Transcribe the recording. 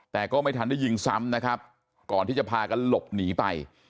แต่ก็ไม่ทันได้ยิงซ้ำนะครับก่อนที่จะพากันหลบหนีไป